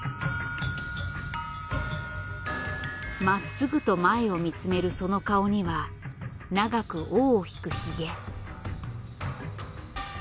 まっすぐと前を見つめるその顔には長く尾を引くヒゲ。